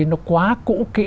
nó quá cũ kĩ